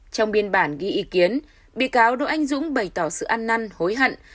trong biên bản ghi ý kiến bị cáo đỗ anh dũng bày tỏ sự ăn năn hối hận